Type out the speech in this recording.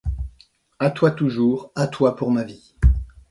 A toi toujours, à toi pour ma vie.